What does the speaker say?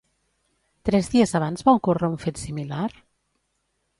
Tres dies abans va ocórrer un fet similar?